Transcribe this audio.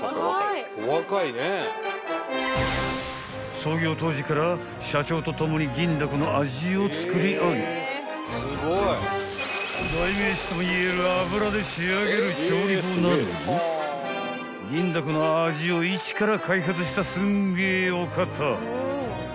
［創業当時から社長と共に銀だこの味を作り上げ代名詞ともいえる油で仕上げる調理法など銀だこの味を一から開発したすんげぇお方］